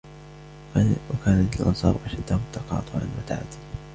وَكَانَتْ الْأَنْصَارُ أَشَدَّهُمْ تَقَاطُعًا وَتَعَادِيًا